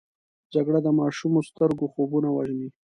جګړه د ماشومو سترګو خوبونه وژني